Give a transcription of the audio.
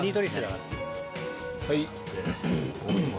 はい。